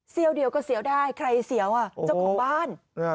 ี่ยวเดียวก็เสียวได้ใครเสียวเจ้าของบ้าน